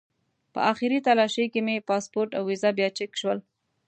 په آخري تالاشۍ کې مې پاسپورټ او ویزه بیا چک شول.